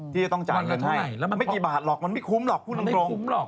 ที่จะต้องจ่ายเงินให้ไม่กี่บาทหรอกมันไม่คุ้มหรอกพูดตรง